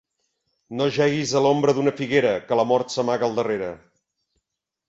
No jeguis a l'ombra d'una figuera, que la mort s'amaga al darrere.